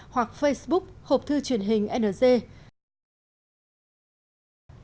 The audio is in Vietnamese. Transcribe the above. hoặc facebook hộp thư truyền hình ng gmail com